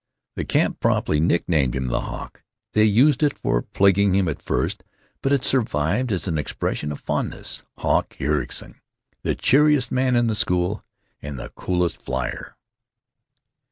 The camp promptly nicknamed him "Hawk." They used it for plaguing him at first, but it survived as an expression of fondness—Hawk Ericson, the cheeriest man in the school, and the coolest flier.